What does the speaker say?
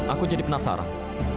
aku jadi penasaran